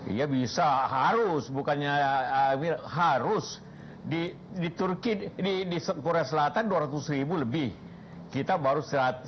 iya bisa harus bukannya amir harus di di turki di di korea selatan dua ratus lebih kita baru